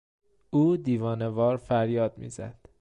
او دیوانه وار فریاد میزد.